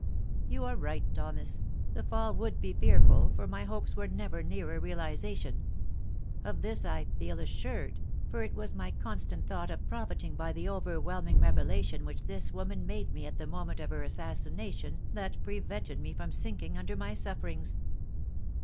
"You are right, Thomas; the fall would be fearful, for my hopes were never nearer realisation! Of this I feel assured, for it was my constant thought of profiting by the overwhelming revelation which this woman made me at the moment of her assassination that prevented me from sinking under my sufferings."